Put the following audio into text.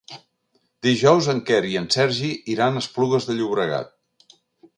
Dijous en Quer i en Sergi iran a Esplugues de Llobregat.